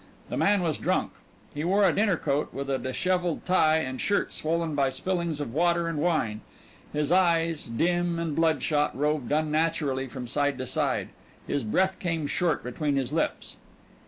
The man was drunk. He wore a dinner coat with a dishevelled tie and shirt swollen by spillings of water and wine. His eyes, dim and blood shot, roved unnaturally from side to side. His breath came short between his lips.